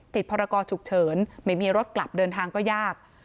พรกรฉุกเฉินไม่มีรถกลับเดินทางก็ยาก